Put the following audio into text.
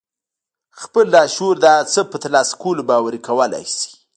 خپل لاشعور د هغه څه په ترلاسه کولو باوري کولای شئ.